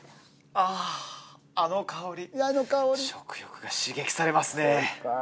あの香り食欲が刺激されますね